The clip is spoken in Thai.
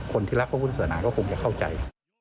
คนที่รักพระพุทธศาสนาก็คงจะเข้าใจ